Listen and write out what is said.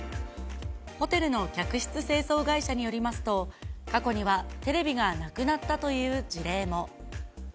ホテルの客室清掃会社によりますと、過去にはテレビがなくなったという事例も。